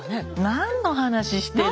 何の話してるのよ？